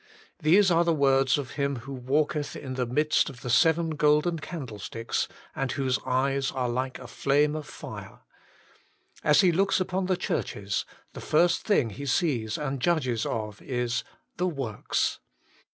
These are the A words of Him who walketh in the midst of the seven golden candlesticks, and whose eyes are like a flame of fire. As He looks upon the churches, the first thing He sees and judges of is — the works.